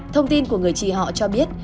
thông tin của người chị họ cho biết